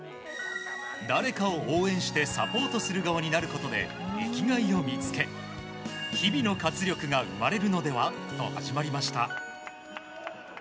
誰かを応援してサポートする側になることで生きがいを見つけ日々の活力が生まれるのではと始まりました。